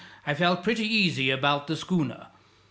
I felt pretty easy about the schooner.